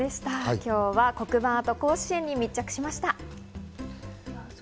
今日は黒板アート甲子園に密着しました。